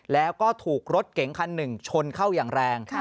แล้วก็ถูกรถเก๋งคันหนึ่งชนเข้าอย่างแรง